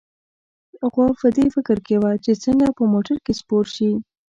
غوا په دې فکر کې وه چې څنګه په موټر کې سپور شي.